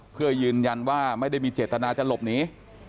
เพื่อยืนยันว่าไม่ได้มีเจตนาจะหลบหนี